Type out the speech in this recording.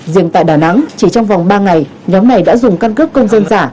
riêng tại đà nẵng chỉ trong vòng ba ngày nhóm này đã dùng căn cước công dân giả